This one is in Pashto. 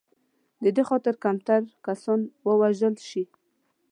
دې خاطر کمتر کسان ووژل شي.